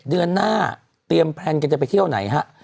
เดือนหน้าเตรียมแพลนกันจะไปเที่ยวไหนฮะ